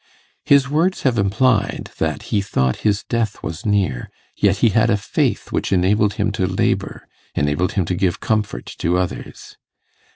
His words have implied that he thought his death was near; yet he had a faith which enabled him to labour enabled him to give comfort to others.